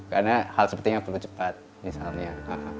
karena hal sepertinya perlu cepat misalnya